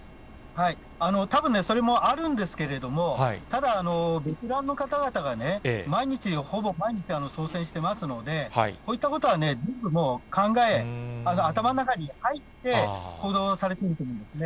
たぶん、それもあるんですけれども、ただ、ベテランの方々が毎日、ほぼ毎日、操船してますので、こういったことは考え、頭の中に入って、行動されてると思うんですね。